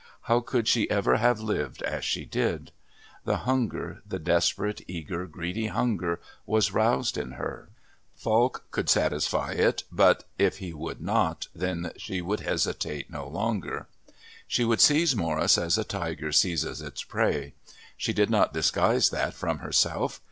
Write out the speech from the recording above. How could she ever have lived as she did? The hunger, the desperate, eager, greedy hunger was roused in her. Falk could satisfy it, but, if he would not, then she would hesitate no longer. She would seize Morris as a tiger seizes its prey. She did not disguise that from herself.